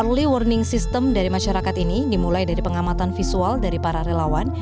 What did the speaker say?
early warning system dari masyarakat ini dimulai dari pengamatan visual dari para relawan